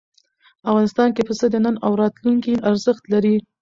افغانستان کې پسه د نن او راتلونکي ارزښت لري.